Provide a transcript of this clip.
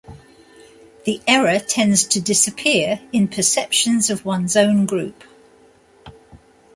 The error tends to disappear in perceptions of one's own group.